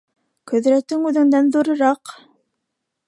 Ҡөҙрәтең үҙеңдән ҙурыраҡ!